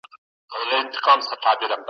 ایا د ځغاستې ورزش د سږو ظرفیت زیاتوي؟